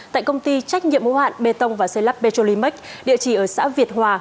tại công ty trách nhiệm mũ hạn bê tông và xây lắp petrolimex địa chỉ ở xã việt hòa